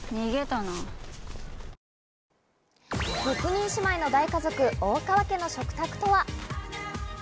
６人姉妹の大家族・大川家の食卓とは？